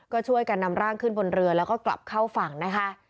ก็ช่วยกันนำร่างขึ้นบนเรือแล้วก็กลับเข้าฝั่งนะคะ